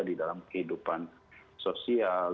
di dalam kehidupan sosial